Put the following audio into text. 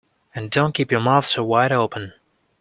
And don’t keep your mouth so wide open!